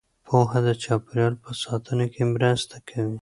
پوهه د چاپیریال په ساتنه کې مرسته کوي.